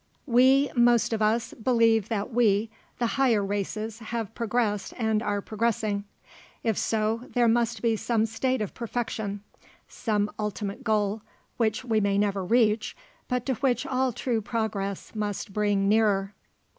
We most of us believe that we, the higher races have progressed and are progressing. If so, there must be some state of perfection, some ultimate goal, which we may never reach, but to which all true progress must bring nearer.